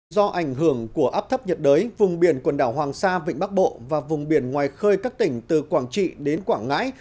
do ảnh hưởng của áp thấp nhiệt đới vùng biển quần đảo hoàng sa vịnh bắc bộ và vùng biển ngoài khơi các tỉnh từ quảng trị đến quảng ngãi